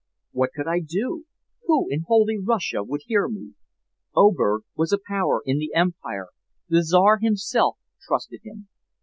What could I do? Who in holy Russia would hear me? Oberg was a power in the Empire; the Czar himself trusted him.